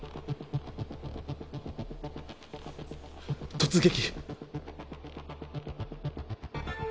突撃！